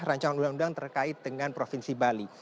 rancangan undang undang terkait dengan provinsi bali